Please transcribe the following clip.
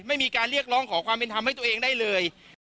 ไม่มีการเรียกร้องขอความเป็นธรรมให้ตัวเองได้เลย